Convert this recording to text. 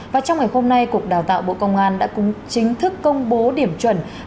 và trong ngày hôm nay cục đào tạo bộ công an đã cũng chính thức công bố điểm chuẩn